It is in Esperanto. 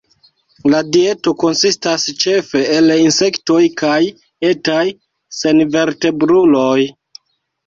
La dieto konsistas ĉefe el insektoj kaj etaj senvertebruloj.